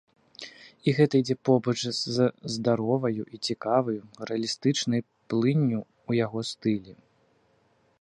І гэта ідзе побач з здароваю і цікаваю, рэалістычнай плынню ў яго стылі.